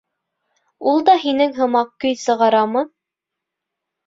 Ул да һинең һымаҡ көй сығарамы?